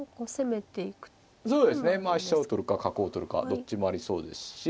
飛車を取るか角を取るかどっちもありそうですし。